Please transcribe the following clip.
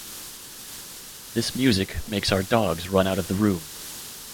This music makes our dogs run out of the room'!